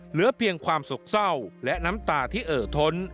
เหลือเพียงความสกเศร้าและน้ำตาที่เอ่อท้น